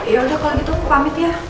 ya udah kalau gitu aku pamit ya